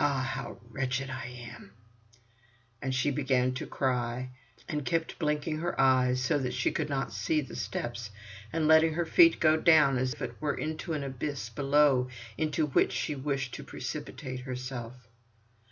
Ah! how wretched I am——" And she began to cry, and kept blinking her eyes, so that she could not see the steps, and letting her feet go down as it were into an abyss below into which she wished to precipitate herself.